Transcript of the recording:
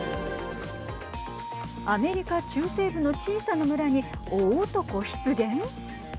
アメリカ中西部の小さな村に大男出現。